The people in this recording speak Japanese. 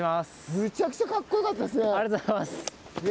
むちゃくちゃかっこよかったですね。